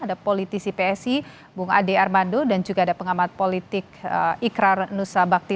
ada politisi psi bung ade armando dan juga ada pengamat politik ikrar nusa bakti